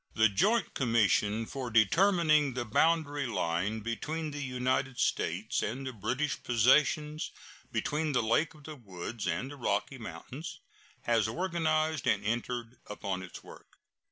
The joint commission for determining the boundary line between the United States and the British possessions between the Lake of the Woods and the Rocky Mountains has organized and entered upon its work.